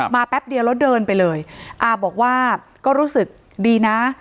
แป๊บเดียวแล้วเดินไปเลยอาบอกว่าก็รู้สึกดีนะ